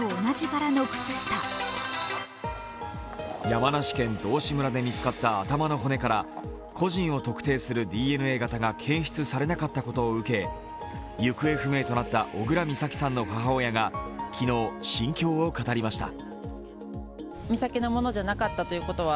山梨県道志村で見つかった頭の骨から個人を特定するＤＮＡ型が検出されなかったことを受け、行方不明となった小倉美咲さんの母親が昨日、心境を語りました。